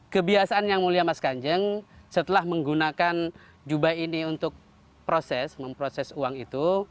kebiasaan yang mulia mas kanjeng setelah menggunakan jubah ini untuk proses memproses uang itu